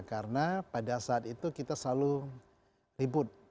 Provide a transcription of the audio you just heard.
karena pada saat itu kita selalu ribut